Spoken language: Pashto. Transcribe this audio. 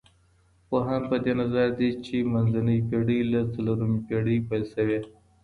پوهان په دې نظر دي چي منځنۍ پېړۍ له څلورمې پېړۍ پيل سوې.